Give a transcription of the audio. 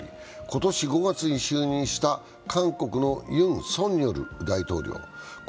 今年５月に就任した韓国のユン・ソンニョル大統領。